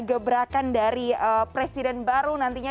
gebrakan dari presiden baru nantinya